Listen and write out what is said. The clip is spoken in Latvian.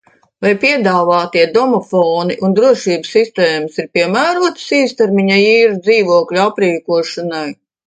Vai piedāvātie domofoni un drošības sistēmas ir piemērotas īstermiņa īres dzīvokļu aprīkošanai?